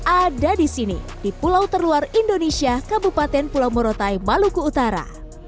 ada di sini di pulau terluar indonesia kabupaten pulau morotai maluku utara